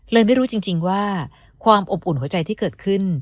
ไม่รู้จริงว่าความอบอุ่นหัวใจที่เกิดขึ้น